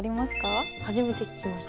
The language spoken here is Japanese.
初めて聞きました。